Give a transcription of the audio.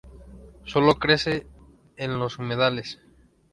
Sólo crece en los humedales.